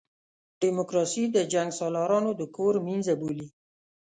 ډیموکراسي د جنګسالارانو د کور مېنځه بولي.